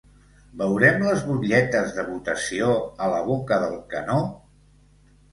Veurem les butlletes de votació a la boca del canó?